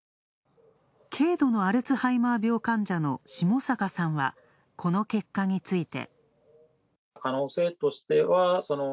軽度のアルツハイマー病患者の下坂さんは、この結果について。